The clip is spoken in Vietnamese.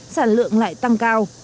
sản lượng lại tăng cao